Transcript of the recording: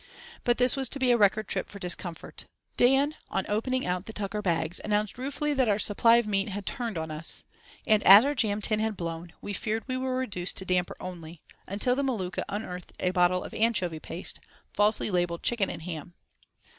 But this was to be a record trip for discomfort. Dan, on opening out the tucker bags, announced ruefully that our supply of meat had "turned on us"; and as our jam tin had "blown," we feared we were reduced to damper only, until the Maluka unearthed a bottle of anchovy paste, falsely labelled "Chicken and Ham."